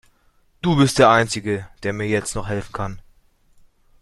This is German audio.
Du bist der einzige, der mir jetzt noch helfen kann.